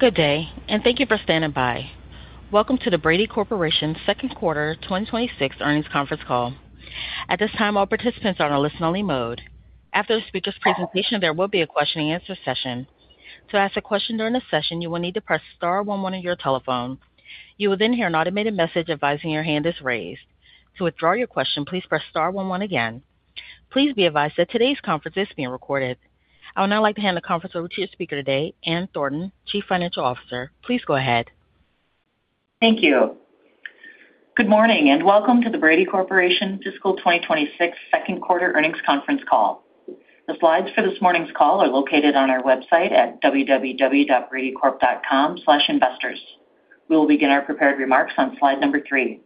Good day, and thank you for standing by. Welcome to the Brady Corporation Q2 2026 earnings conference call. At this time, all participants are on a listen-only mode. After the speaker's presentation, there will be a question-and-answer session. To ask a question during the session, you will need to press star one one on your telephone. You will then hear an automated message advising your hand is raised. To withdraw your question, please press star one one again. Please be advised that today's conference is being recorded. I would now like to hand the conference over to your speaker today, Ann Thornton, Chief Financial Officer. Please go ahead. Thank you. Good morning, and welcome to the Brady Corporation fiscal 2026 Q2 earnings conference call. The slides for this morning's call are located on our website at www.bradycorp.com/investors. We will begin our prepared remarks on slide number 3.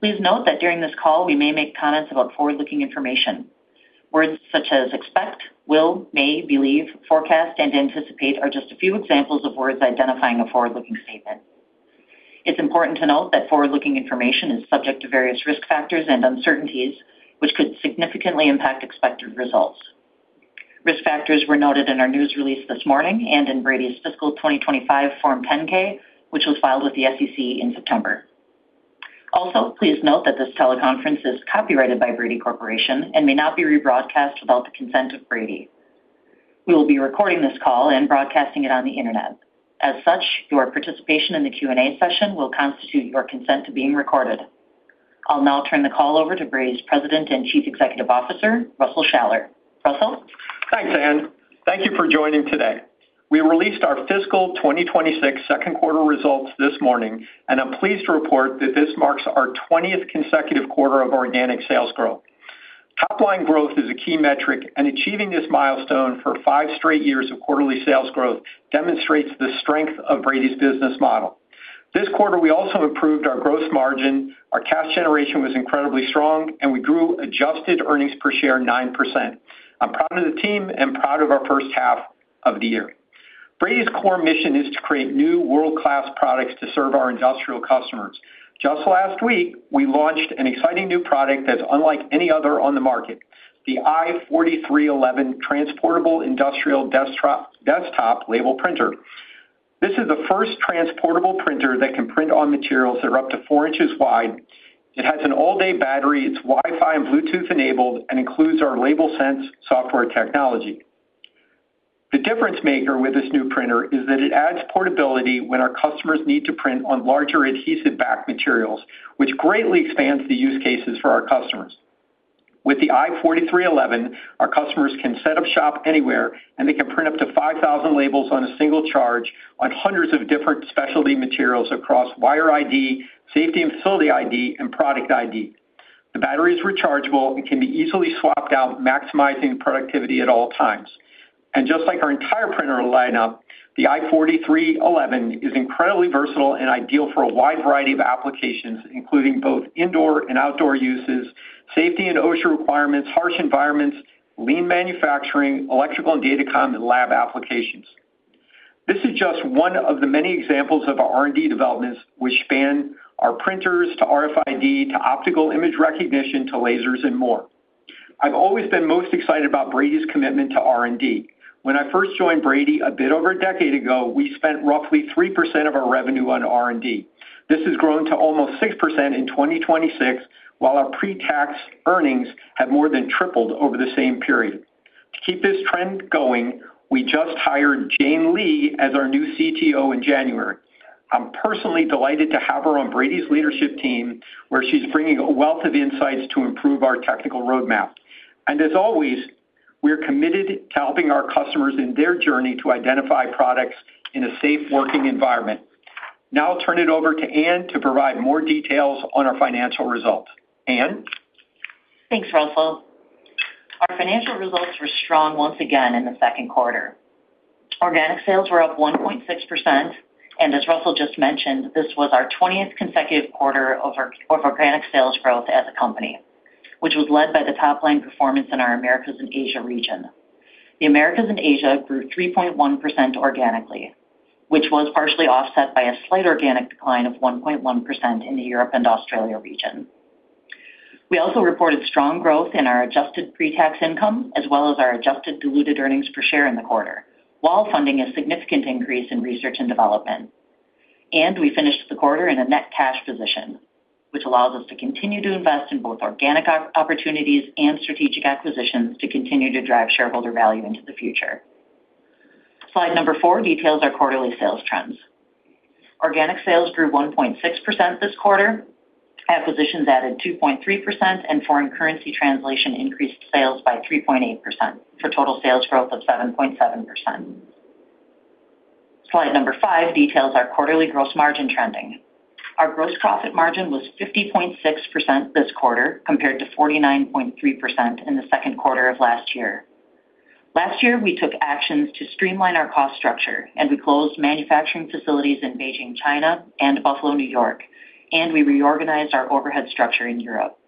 Please note that during this call, we may make comments about forward-looking information. Words such as expect, will, may, believe, forecast, and anticipate are just a few examples of words identifying a forward-looking statement. It's important to note that forward-looking information is subject to various risk factors and uncertainties, which could significantly impact expected results. Risk factors were noted in our news release this morning and in Brady's fiscal 2025 Form 10-K, which was filed with the SEC in September. Also, please note that this teleconference is copyrighted by Brady Corporation and may not be rebroadcast without the consent of Brady. We will be recording this call and broadcasting it on the Internet. As such, your participation in the Q&A session will constitute your consent to being recorded. I'll now turn the call over to Brady's President and Chief Executive Officer, Russell Shaller. Russell? Thanks, Ann. Thank you for joining today. We released our fiscal 2026 Q2 results this morning, and I'm pleased to report that this marks our 20th consecutive quarter of organic sales growth. Top-line growth is a key metric, and achieving this milestone for 5 straight years of quarterly sales growth demonstrates the strength of Brady's business model. This quarter, we also improved our gross margin, our cash generation was incredibly strong, and we grew adjusted earnings per share 9%. I'm proud of the team and proud of our first half of the year. Brady's core mission is to create new world-class products to serve our industrial customers. Just last week, we launched an exciting new product that's unlike any other on the market, the i4311 Transportable Industrial Desktop Label Printer. This is the first transportable printer that can print on materials that are up to four inches wide. It has an all-day battery, it's Wi-Fi and Bluetooth-enabled, and includes our Label Sense software technology. The difference maker with this new printer is that it adds portability when our customers need to print on larger adhesive-backed materials, which greatly expands the use cases for our customers. With the i4311, our customers can set up shop anywhere, and they can print up to 5,000 labels on a single charge on hundreds of different specialty materials across Wire ID, Safety and Facility ID, and Product ID. The battery is rechargeable and can be easily swapped out, maximizing productivity at all times. Just like our entire printer lineup, the i4311 is incredibly versatile and ideal for a wide variety of applications, including both indoor and outdoor uses, safety and OSHA requirements, harsh environments, lean manufacturing, electrical and datacom, and lab applications. This is just one of the many examples of our R&D developments, which span our printers to RFID, to optical image recognition, to lasers and more. I've always been most excited about Brady's commitment to R&D. When I first joined Brady a bit over a decade ago, we spent roughly 3% of our revenue on R&D. This has grown to almost 6% in 2026, while our pre-tax earnings have more than tripled over the same period. To keep this trend going, we just hired Jane Li as our new CTO in January. I'm personally delighted to have her on Brady's leadership team, where she's bringing a wealth of insights to improve our technical roadmap. As always, we are committed to helping our customers in their journey to identify products in a safe working environment. Now I'll turn it over to Ann to provide more details on our financial results. Ann? Thanks, Russell. Our financial results were strong once again in the Q2. Organic sales were up 1.6%, and as Russell just mentioned, this was our 20th consecutive quarter of organic sales growth as a company, which was led by the top-line performance in our Americas and Asia region. The Americas and Asia grew 3.1% organically, which was partially offset by a slight organic decline of 1.1% in the Europe and Australia region. We also reported strong growth in our adjusted pre-tax income, as well as our adjusted diluted earnings per share in the quarter, while funding a significant increase in research and development. We finished the quarter in a net cash position, which allows us to continue to invest in both organic opportunities and strategic acquisitions to continue to drive shareholder value into the future. Slide number 4 details our quarterly sales trends. Organic sales grew 1.6% this quarter, acquisitions added 2.3%, and foreign currency translation increased sales by 3.8%, for total sales growth of 7.7%. Slide number 5 details our quarterly gross margin trending. Our gross profit margin was 50.6% this quarter, compared to 49.3% in the Q2 of last year. Last year, we took actions to streamline our cost structure, and we closed manufacturing facilities in Beijing, China and Buffalo, New York, and we reorganized our overhead structure in Europe.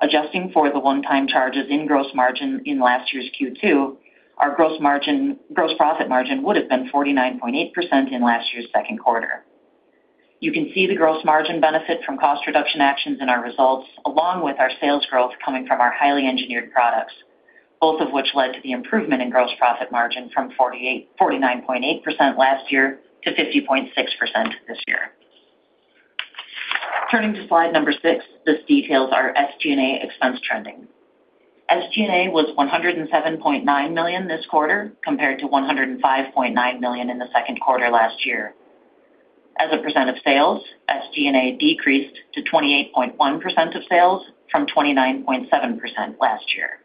Adjusting for the one-time charges in gross margin in last year's Q2, our gross margin, gross profit margin would have been 49.8% in last year's Q2. You can see the gross margin benefit from cost reduction actions in our results, along with our sales growth coming from our highly engineered products, both of which led to the improvement in gross profit margin from 49.8% last year to 50.6% this year. Turning to slide 6, this details our SG&A expense trending. SG&A was $107.9 million this quarter, compared to $105.9 million in the Q2 last year. As a percent of sales, SG&A decreased to 28.1% of sales from 29.7% last year.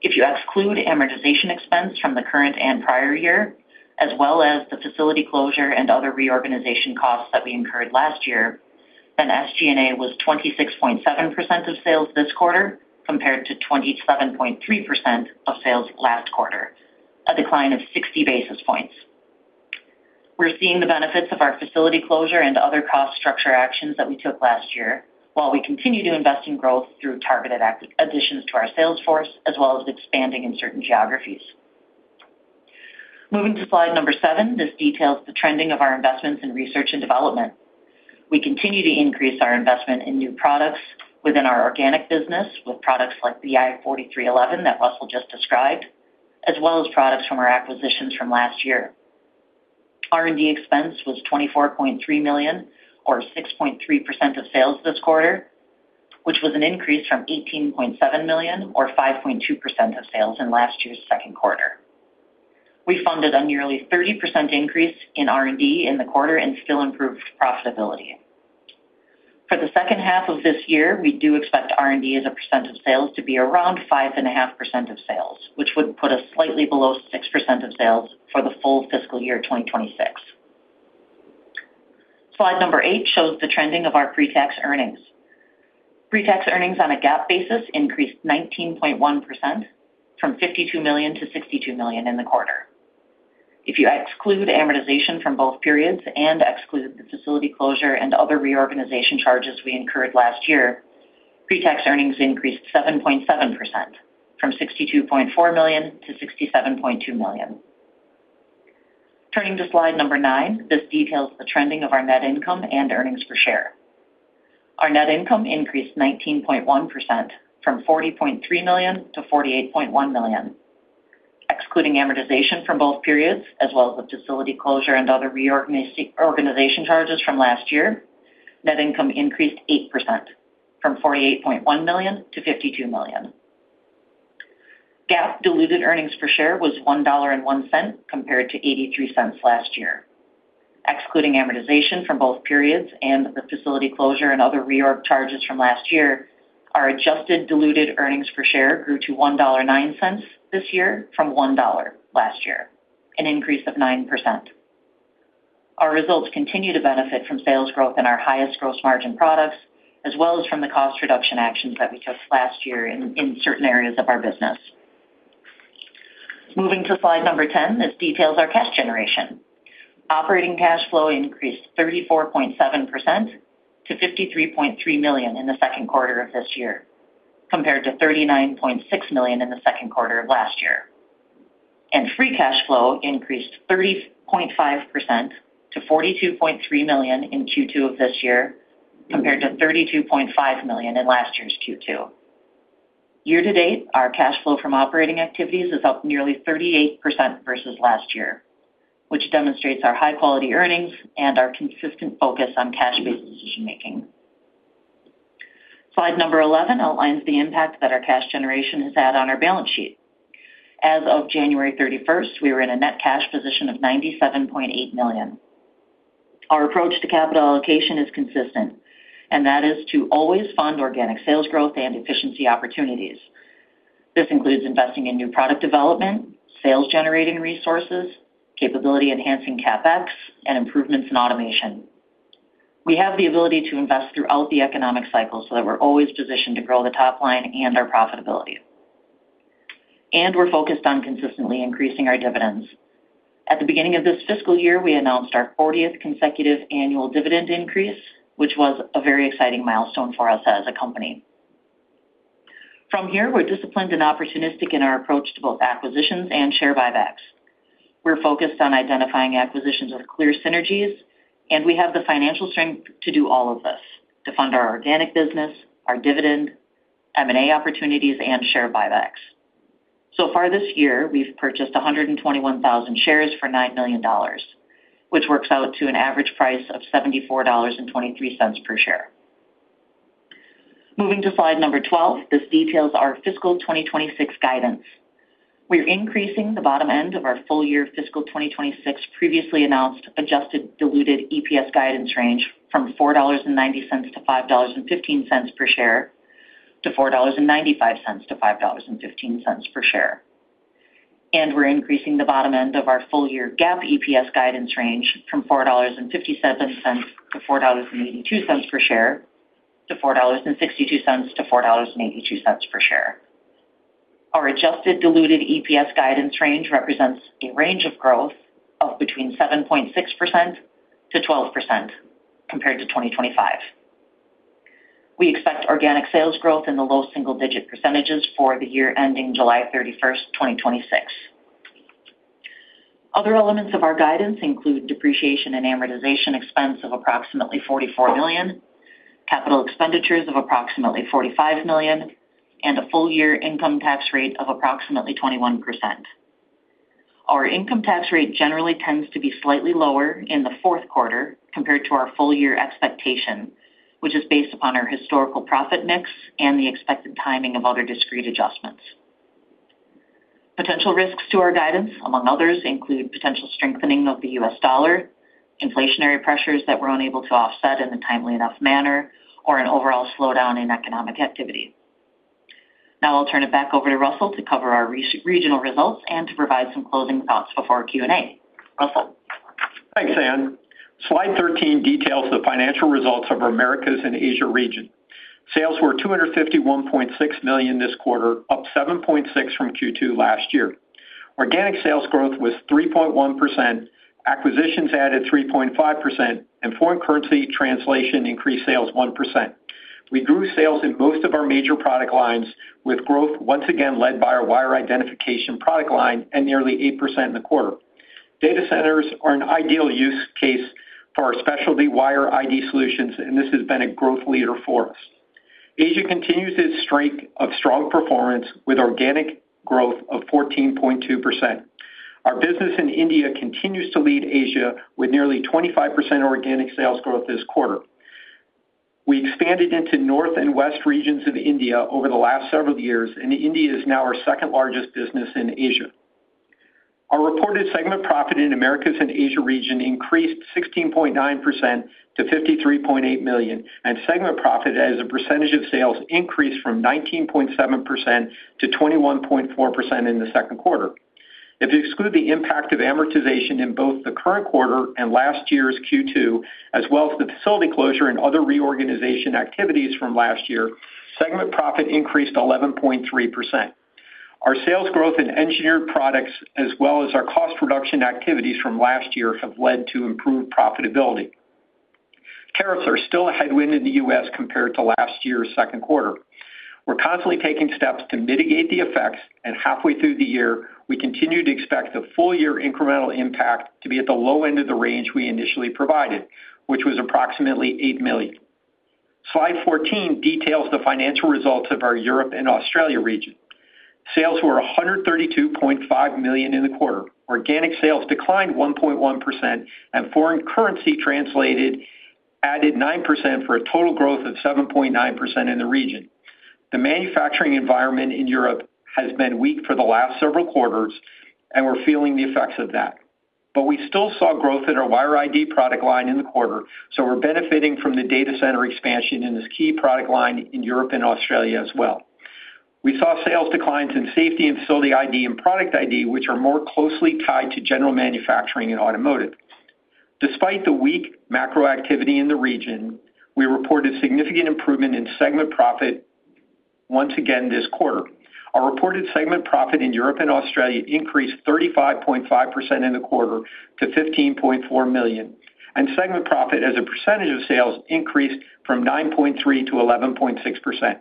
If you exclude amortization expense from the current and prior year, as well as the facility closure and other reorganization costs that we incurred last year, then SG&A was 26.7% of sales this quarter, compared to 27.3% of sales last quarter, a decline of 60 basis points. We're seeing the benefits of our facility closure and other cost structure actions that we took last year, while we continue to invest in growth through targeted additions to our sales force, as well as expanding in certain geographies. Moving to slide number 7, this details the trending of our investments in research and development. We continue to increase our investment in new products within our organic business, with products like i4311 that Russell just described, as well as products from our acquisitions from last year. R&D expense was $24.3 million, or 6.3% of sales this quarter, which was an increase from $18.7 million, or 5.2% of sales in last year's Q2. We funded a nearly 30% increase in R&D in the quarter and still improved profitability. For the second half of this year, we do expect R&D as a percent of sales to be around 5.5% of sales, which would put us slightly below 6% of sales for the full fiscal year, 2026. Slide 8 shows the trending of our pretax earnings. Pretax earnings on a GAAP basis increased 19.1% from $52 million to $62 million in the quarter. If you exclude amortization from both periods and exclude the facility closure and other reorganization charges we incurred last year, pretax earnings increased 7.7% from $62.4 million to $67.2 million. Turning to slide 9, this details the trending of our net income and earnings per share. Our net income increased 19.1% from $40.3 million to $48.1 million. Excluding amortization from both periods, as well as the facility closure and other reorganization charges from last year, net income increased 8% from $48.1 million to $52 million. GAAP diluted earnings per share was $1.01, compared to $0.83 last year. Excluding amortization from both periods and the facility closure and other reorg charges from last year, our adjusted diluted earnings per share grew to $1.09 this year from $1 last year, an increase of 9%. Our results continue to benefit from sales growth in our highest gross margin products, as well as from the cost reduction actions that we took last year in certain areas of our business. Moving to slide 10, this details our cash generation. Operating cash flow increased 34.7% to $53.3 million in the Q2 of this year, compared to $39.6 million in the Q2 of last year. Free cash flow increased 30.5% to $42.3 million in Q2 of this year, compared to $32.5 million in last year's Q2. Year to date, our cash flow from operating activities is up nearly 38% versus last year, which demonstrates our high-quality earnings and our consistent focus on cash-based decision-making. Slide 11 outlines the impact that our cash generation has had on our balance sheet. As of January 31st, we were in a net cash position of $97.8 million. Our approach to capital allocation is consistent, and that is to always fund organic sales growth and efficiency opportunities. This includes investing in new product development, sales generating resources, capability enhancing CapEx, and improvements in automation. We have the ability to invest throughout the economic cycle, so that we're always positioned to grow the top line and our profitability. And we're focused on consistently increasing our dividends. At the beginning of this fiscal year, we announced our 40th consecutive annual dividend increase, which was a very exciting milestone for us as a company. From here, we're disciplined and opportunistic in our approach to both acquisitions and share buybacks. We're focused on identifying acquisitions with clear synergies, and we have the financial strength to do all of this: to fund our organic business, our dividend, M&A opportunities, and share buybacks. So far this year, we've purchased 121,000 shares for $9 million, which works out to an average price of $74.23 per share. Moving to slide 12, this details our fiscal 2026 guidance. We're increasing the bottom end of our full-year fiscal 2026 previously announced adjusted diluted EPS guidance range from $4.90-$5.15 per share to $4.95-$5.15 per share. We're increasing the bottom end of our full-year GAAP EPS guidance range from $4.57-$4.82 per share to $4.62-$4.82 per share. Our adjusted diluted EPS guidance range represents a range of growth of between 7.6% to 12% compared to 2025.... We expect organic sales growth in the low single-digit percentages for the year ending July 31, 2026. Other elements of our guidance include depreciation and amortization expense of approximately $44 million, capital expenditures of approximately $45 million, and a full-year income tax rate of approximately 21%. Our income tax rate generally tends to be slightly lower in the Q4 compared to our full-year expectation, which is based upon our historical profit mix and the expected timing of other discrete adjustments. Potential risks to our guidance, among others, include potential strengthening of the U.S. dollar, inflationary pressures that we're unable to offset in a timely enough manner, or an overall slowdown in economic activity. Now I'll turn it back over to Russell to cover our res- regional results and to provide some closing thoughts before our Q&A. Russell? Thanks, Ann. Slide 13 details the financial results of our Americas and Asia region. Sales were $251.6 million this quarter, up 7.6% from Q2 last year. Organic sales growth was 3.1%, acquisitions added 3.5%, and foreign currency translation increased sales 1%. We grew sales in most of our major product lines, with growth once again led by our wire identification product line and nearly 8% in the quarter. Data centers are an ideal use case for our specialty wire ID solutions, and this has been a growth leader for us. Asia continues its streak of strong performance with organic growth of 14.2%. Our business in India continues to lead Asia, with nearly 25% organic sales growth this quarter. We expanded into north and west regions of India over the last several years, and India is now our second-largest business in Asia. Our reported segment profit in Americas and Asia region increased 16.9% to $53.8 million, and segment profit as a percentage of sales increased from 19.7% to 21.4% in the Q2. If you exclude the impact of amortization in both the current quarter and last year's Q2, as well as the facility closure and other reorganization activities from last year, segment profit increased 11.3%. Our sales growth in engineered products, as well as our cost reduction activities from last year, have led to improved profitability. Tariffs are still a headwind in the US compared to last year's Q2. We're constantly taking steps to mitigate the effects, and halfway through the year, we continue to expect the full-year incremental impact to be at the low end of the range we initially provided, which was approximately $8 million. Slide 14 details the financial results of our Europe and Australia region. Sales were $132.5 million in the quarter. Organic sales declined 1.1%, and foreign currency translated added 9%, for a total growth of 7.9% in the region. The manufacturing environment in Europe has been weak for the last several quarters, and we're feeling the effects of that. But we still saw growth in our Wire ID product line in the quarter, so we're benefiting from the data center expansion in this key product line in Europe and Australia as well. We saw sales declines in Safety and Facility ID and Product ID, which are more closely tied to general manufacturing and automotive. Despite the weak macro activity in the region, we reported significant improvement in segment profit once again this quarter. Our reported segment profit in Europe and Australia increased 35.5% in the quarter to $15.4 million, and segment profit as a percentage of sales increased from 9.3% to 11.6%.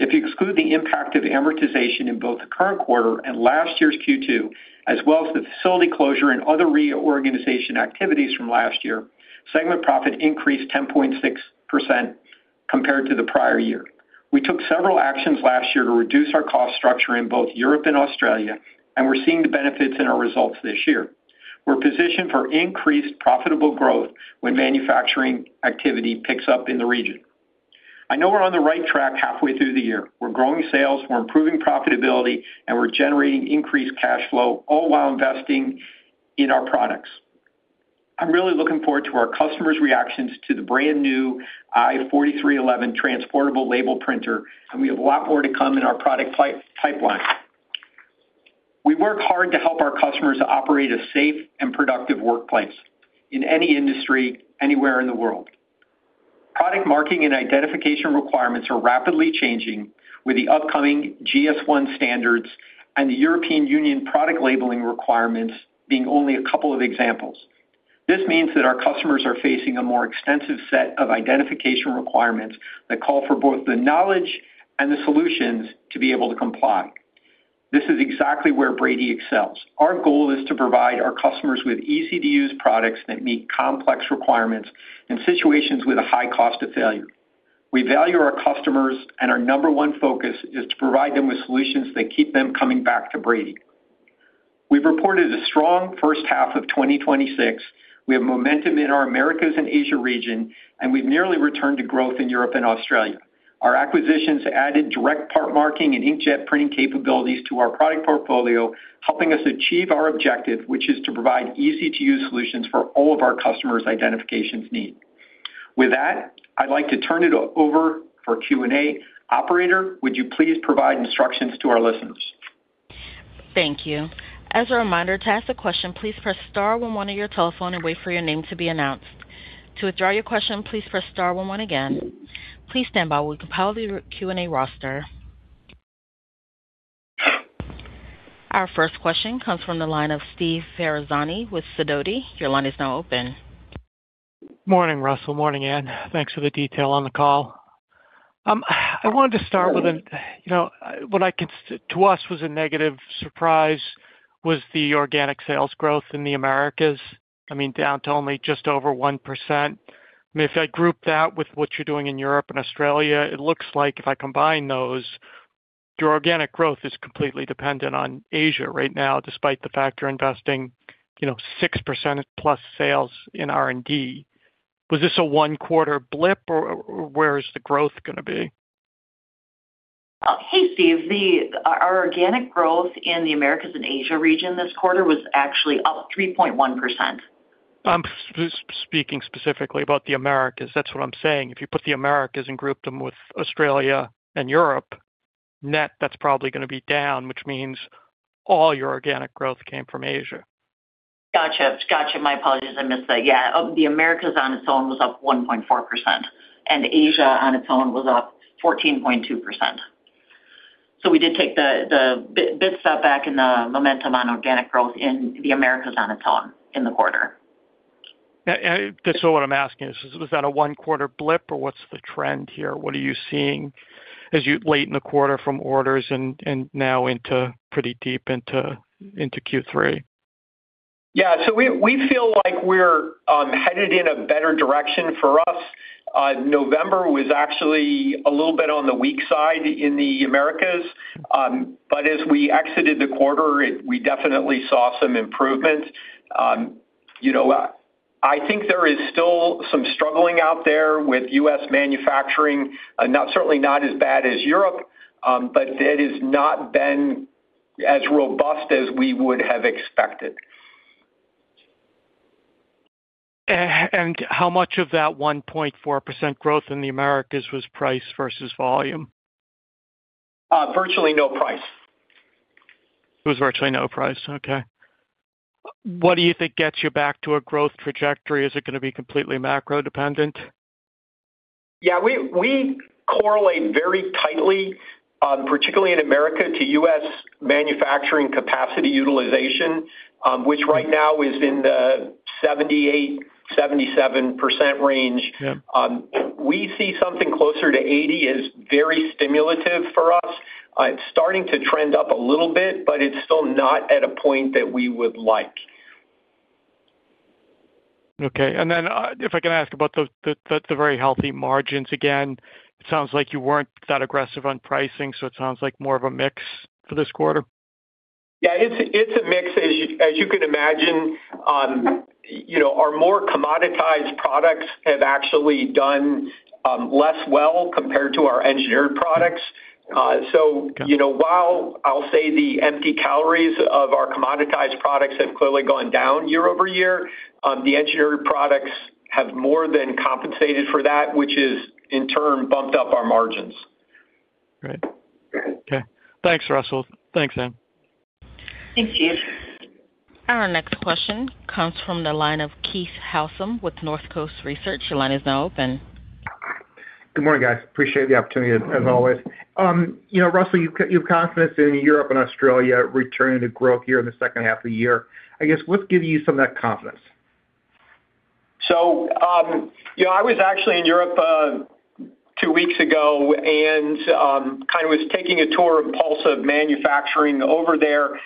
If you exclude the impact of amortization in both the current quarter and last year's Q2, as well as the facility closure and other reorganization activities from last year, segment profit increased 10.6% compared to the prior year. We took several actions last year to reduce our cost structure in both Europe and Australia, and we're seeing the benefits in our results this year. We're positioned for increased profitable growth when manufacturing activity picks up in the region. I know we're on the right track halfway through the year. We're growing sales, we're improving profitability, and we're generating increased cash flow, all while investing in our products. I'm really looking forward to our customers' reactions to the brand-new i4311 transportable label printer, and we have a lot more to come in our product pipeline. We work hard to help our customers operate a safe and productive workplace in any industry, anywhere in the world. Product marking and identification requirements are rapidly changing, with the upcoming GS1 standards and the European Union product labeling requirements being only a couple of examples. This means that our customers are facing a more extensive set of identification requirements that call for both the knowledge and the solutions to be able to comply. This is exactly where Brady excels. Our goal is to provide our customers with easy-to-use products that meet complex requirements in situations with a high cost of failure. We value our customers, and our number one focus is to provide them with solutions that keep them coming back to Brady. We've reported a strong first half of 2026. We have momentum in our Americas and Asia region, and we've nearly returned to growth in Europe and Australia. Our acquisitions added direct part marking and inkjet printing capabilities to our product portfolio, helping us achieve our objective, which is to provide easy-to-use solutions for all of our customers' identification needs. With that, I'd like to turn it over for Q&A. Operator, would you please provide instructions to our listeners? Thank you. As a reminder, to ask a question, please press star one one on your telephone and wait for your name to be announced. To withdraw your question, please press star one one again. Please stand by while we compile the Q&A roster.... Our first question comes from the line of Steve Ferazani with Sidoti. Your line is now open. Morning, Russell. Morning, Ann. Thanks for the detail on the call. I wanted to start with an, you know, what I cons- to us, was a negative surprise, was the organic sales growth in the Americas. I mean, down to only just over 1%. I mean, if I group that with what you're doing in Europe and Australia, it looks like if I combine those, your organic growth is completely dependent on Asia right now, despite the fact you're investing, you know, 6% plus sales in R&D. Was this a one-quarter blip, or, or where is the growth gonna be? Hey, Steve. Our organic growth in the Americas and Asia region this quarter was actually up 3.1%. I'm speaking specifically about the Americas. That's what I'm saying. If you put the Americas and group them with Australia and Europe, net, that's probably gonna be down, which means all your organic growth came from Asia. Gotcha. Gotcha. My apologies, I missed that. Yeah, the Americas on its own was up 1.4%, and Asia on its own was up 14.2%. So we did take the big step back in the momentum on organic growth in the Americas on its own in the quarter. Yeah, and that's what I'm asking, is that a one-quarter blip, or what's the trend here? What are you seeing as you late in the quarter from orders and now into pretty deep into Q3? Yeah, so we feel like we're headed in a better direction for us. November was actually a little bit on the weak side in the Americas, but as we exited the quarter, we definitely saw some improvement. You know, I think there is still some struggling out there with U.S. manufacturing, not certainly not as bad as Europe, but it has not been as robust as we would have expected. How much of that 1.4% growth in the Americas was price versus volume? Virtually no price. It was virtually no price. Okay. What do you think gets you back to a growth trajectory? Is it gonna be completely macro dependent? Yeah, we correlate very tightly, particularly in America, to U.S. manufacturing capacity utilization, which right now is in the 78%-77% range. Yeah. We see something closer to 80 as very stimulative for us. It's starting to trend up a little bit, but it's still not at a point that we would like. Okay, and then, if I can ask about the very healthy margins again. It sounds like you weren't that aggressive on pricing, so it sounds like more of a mix for this quarter? Yeah, it's a mix. As you can imagine, you know, our more commoditized products have actually done less well compared to our engineered products. So, you know, while I'll say the empty calories of our commoditized products have clearly gone down year over year, the engineered products have more than compensated for that, which has, in turn, bumped up our margins. Great. Okay. Thanks, Russell. Thanks, Ann. Thanks, Steve. Our next question comes from the line of Keith Housum with Northcoast Research. Your line is now open. Good morning, guys. Appreciate the opportunity, as always. You know, Russell, you have confidence in Europe and Australia returning to growth here in the second half of the year. I guess, what gives you some of that confidence? So, you know, I was actually in Europe two weeks ago and kind of was taking a tour of pulse of manufacturing over there.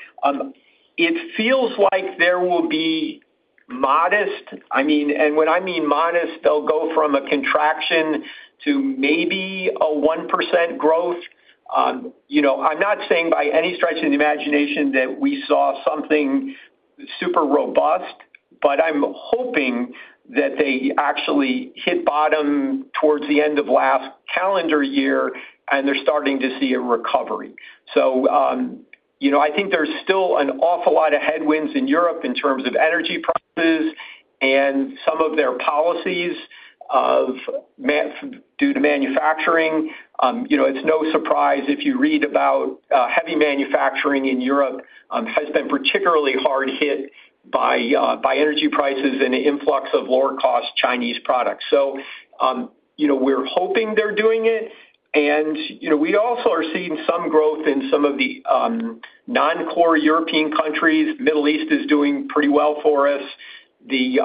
It feels like there will be modest... I mean, and when I mean modest, they'll go from a contraction to maybe a 1% growth. You know, I'm not saying by any stretch of the imagination that we saw something super robust, but I'm hoping that they actually hit bottom towards the end of last calendar year, and they're starting to see a recovery. So, you know, I think there's still an awful lot of headwinds in Europe in terms of energy prices and some of their policies of man- due to manufacturing. You know, it's no surprise if you read about, heavy manufacturing in Europe, has been particularly hard hit by, by energy prices and the influx of lower-cost Chinese products. So, you know, we're hoping they're doing it, and, you know, we also are seeing some growth in some of the, non-core European countries. Middle East is doing pretty well for us. The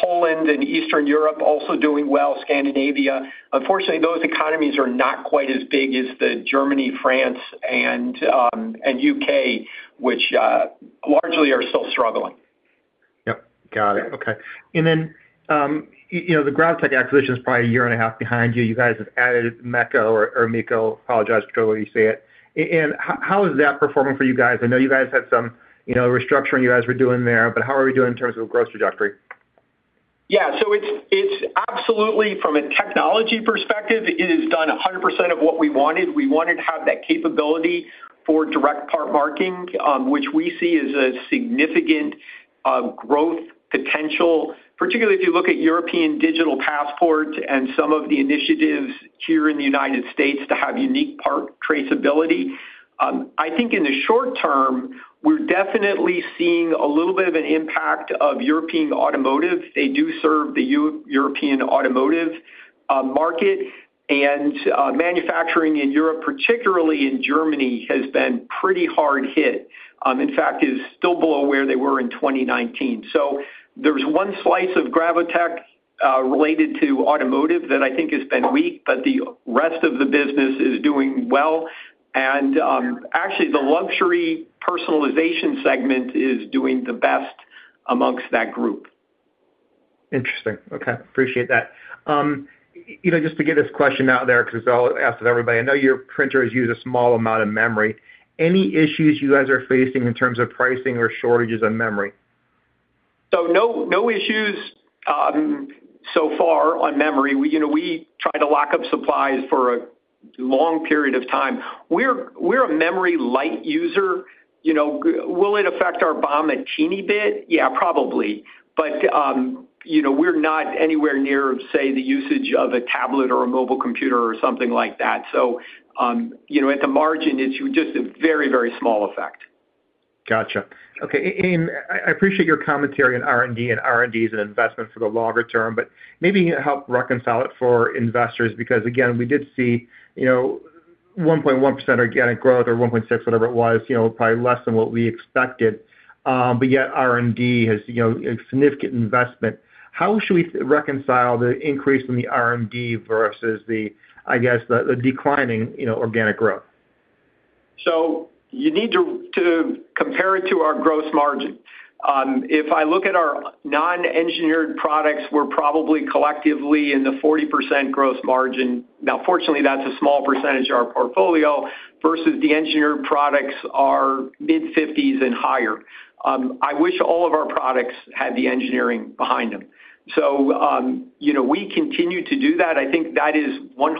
Poland and Eastern Europe also doing well, Scandinavia. Unfortunately, those economies are not quite as big as the Germany, France, and, and U.K., which, largely are still struggling. Yep, got it. Okay. And then, you know, the Gravotech acquisition is probably a year and a half behind you. You guys have added MECCO or MECCO, apologize for whatever you say it. And how is that performing for you guys? I know you guys had some, you know, restructuring you guys were doing there, but how are we doing in terms of growth trajectory? Yeah, so it's, it's absolutely, from a technology perspective, it has done 100% of what we wanted. We wanted to have that capability for direct part marking, which we see as a significant growth potential, particularly if you look at European digital passport and some of the initiatives here in the United States to have unique part traceability. I think in the short term, we're definitely seeing a little bit of an impact of European automotive. They do serve the European automotive market and manufacturing in Europe, particularly in Germany, has been pretty hard hit. In fact, is still below where they were in 2019. So there's one slice of Gravotech related to automotive that I think has been weak, but the rest of the business is doing well. Actually, the luxury personalization segment is doing the best among that group. Interesting. Okay, appreciate that. You know, just to get this question out there, because I'll ask it everybody. I know your printers use a small amount of memory. Any issues you guys are facing in terms of pricing or shortages on memory? No, no issues so far on memory. You know, we try to lock up supplies for a long period of time. We're a memory light user. You know, will it affect our BOM a teeny bit? Yeah, probably. But, you know, we're not anywhere near, say, the usage of a tablet or a mobile computer or something like that. You know, at the margin, it's just a very, very small effect. Gotcha. Okay, and I appreciate your commentary on R&D, and R&D is an investment for the longer term, but maybe help reconcile it for investors, because, again, we did see, you know, 1.1% organic growth or 1.6, whatever it was, you know, probably less than what we expected, but yet R&D has, you know, a significant investment. How should we reconcile the increase in the R&D versus the, I guess, the declining, you know, organic growth? So you need to, to compare it to our gross margin. If I look at our non-engineered products, we're probably collectively in the 40% gross margin. Now, fortunately, that's a small percentage of our portfolio versus the engineered products are mid-50s and higher. I wish all of our products had the engineering behind them. So, you know, we continue to do that. I think that is 100%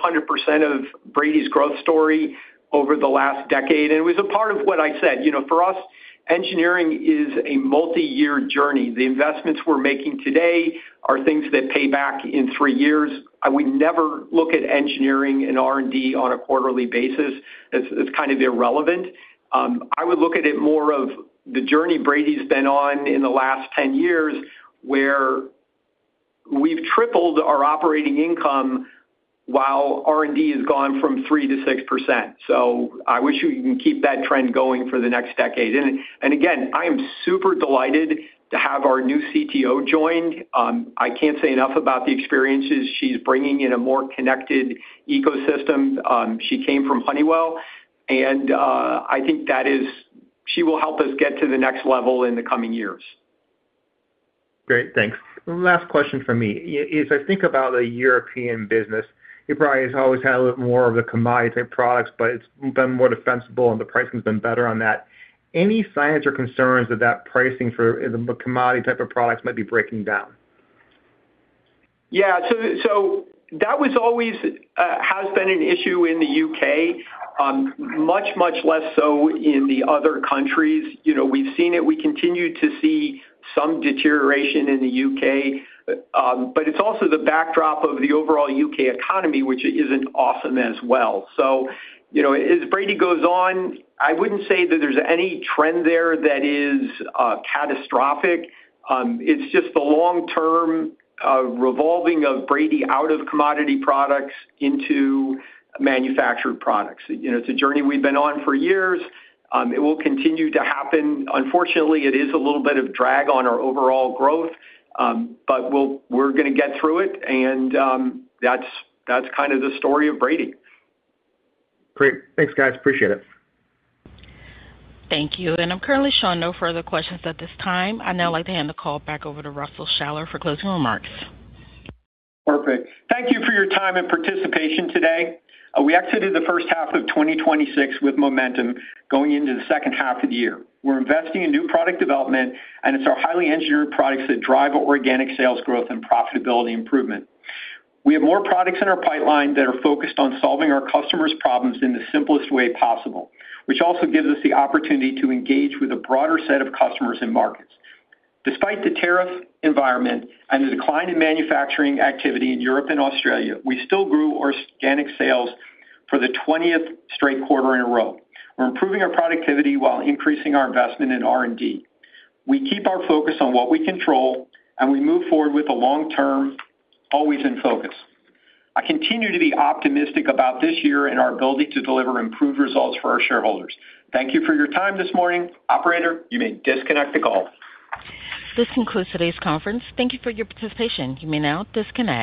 of Brady's growth story over the last decade, and it was a part of what I said. You know, for us, engineering is a multiyear journey. The investments we're making today are things that pay back in three years. I would never look at engineering and R&D on a quarterly basis. It's, it's kind of irrelevant. I would look at it more of the journey Brady's been on in the last 10 years, where we've tripled our operating income while R&D has gone from 3%-6%. So I wish we can keep that trend going for the next decade. And, and again, I am super delighted to have our new CTO joined. I can't say enough about the experiences she's bringing in a more connected ecosystem. She came from Honeywell, and I think that is... She will help us get to the next level in the coming years. Great. Thanks. Last question from me. As I think about the European business, you probably has always had a little more of the commodity products, but it's been more defensible and the pricing has been better on that. Any signs or concerns that that pricing for the commodity type of products might be breaking down? Yeah, so, so that was always, has been an issue in the U.K., much, much less so in the other countries. You know, we've seen it. We continue to see some deterioration in the U.K., but it's also the backdrop of the overall U.K. economy, which isn't awesome as well. So, you know, as Brady goes on, I wouldn't say that there's any trend there that is, catastrophic. It's just the long-term, revolving of Brady out of commodity products into manufactured products. You know, it's a journey we've been on for years. It will continue to happen. Unfortunately, it is a little bit of drag on our overall growth, but we'll-- we're gonna get through it, and, that's, that's kind of the story of Brady. Great. Thanks, guys. Appreciate it. Thank you. And I'm currently showing no further questions at this time. I'd now like to hand the call back over to Russell Shaller for closing remarks. Perfect. Thank you for your time and participation today. We exited the first half of 2026 with momentum going into the second half of the year. We're investing in new product development, and it's our highly engineered products that drive organic sales growth and profitability improvement. We have more products in our pipeline that are focused on solving our customers' problems in the simplest way possible, which also gives us the opportunity to engage with a broader set of customers and markets. Despite the tariff environment and the decline in manufacturing activity in Europe and Australia, we still grew our organic sales for the 20th straight quarter in a row. We're improving our productivity while increasing our investment in R&D. We keep our focus on what we control, and we move forward with the long term, always in focus. I continue to be optimistic about this year and our ability to deliver improved results for our shareholders. Thank you for your time this morning. Operator, you may disconnect the call. This concludes today's conference. Thank you for your participation. You may now disconnect.